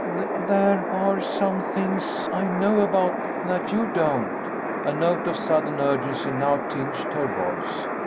T there are some things I know about that you don't." A note of sudden urgency now tinged her voice.